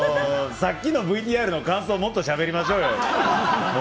さっきのＶＴＲの感想、もっとしゃべりましょうよ。